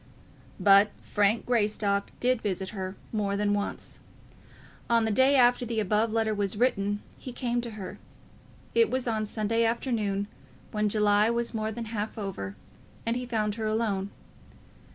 But Frank Greystock did visit her, more than once. On the day after the above letter was written he came to her. It was on Sunday afternoon, when July was more than half over, and he found her alone.